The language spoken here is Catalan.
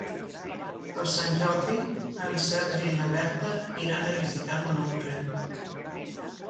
Per Sant Jordi en Sergi i na Berta iran a visitar mon oncle.